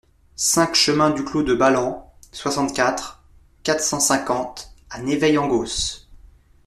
cinq chemin du Clos du Balanh, soixante-quatre, quatre cent cinquante à Navailles-Angos